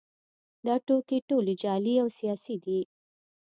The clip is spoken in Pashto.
دا ټوکې ټولې جعلي او سیاسي دي